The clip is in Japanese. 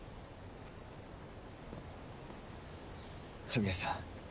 「神谷さん